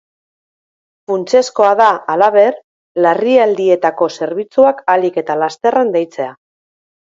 Funtsezkoa da, halaber, larrialdietako zerbitzuak ahalik eta lasterren deitzea.